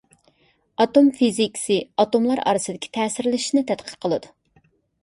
ئاتوم فىزىكىسى ئاتوملار ئارىسىدىكى تەسىرلىشىشنى تەتقىق قىلىدۇ.